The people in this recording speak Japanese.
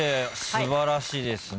素晴らしいですね。